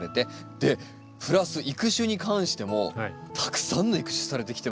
でプラス育種に関してもたくさんの育種されてきてますよね。